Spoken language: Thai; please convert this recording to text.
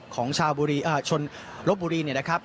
ของชาวชนลบบุรีเนี่ยนะครับ